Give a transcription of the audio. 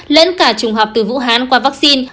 lẫn cả trùng học từ vũ hán qua vaccine